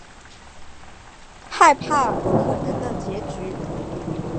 害怕可能的结局